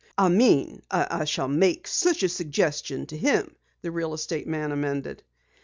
"I mean I shall make such a suggestion to him," the real estate man amended.